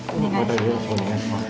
よろしくお願いします。